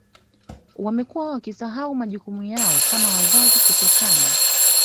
Wamekuwa wakisahau majukumu yao kama wazazi kutokana